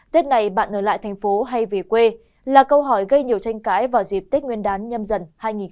tết này bạn ở lại thành phố hay về quê là câu hỏi gây nhiều tranh cãi vào dịp tết nguyên đán nhâm dần hai nghìn hai mươi